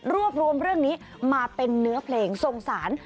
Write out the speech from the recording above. รวบรวมเรื่องนี้มาเป็นเนื้อเพลงสงสาร